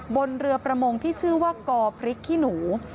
บนเรือประมงที่ชื่อว่ากอพริกขี้หนู